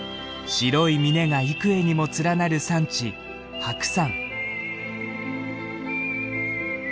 白い峰が幾重にも連なる山地白山。